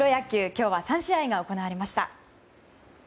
今日は３試合が行われました。